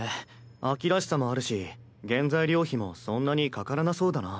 秋らしさもあるし原材料費もそんなにかからなそうだな。